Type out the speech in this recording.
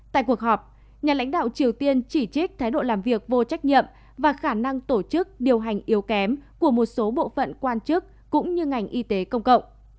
tại cuộc họp nhà lãnh đạo triều tiên chỉ trích thái độ làm việc vô trách nhậm và khả năng tổ chức điều hành yếu kém của một số bộ phận quan chức cũng như ngành y tế công cộng